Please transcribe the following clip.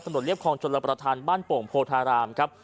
เรียบคลองชนรับประทานบ้านโป่งโพธารามครับ